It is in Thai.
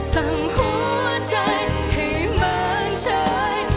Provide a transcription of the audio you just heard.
สร้างหัวใจให้บางชาย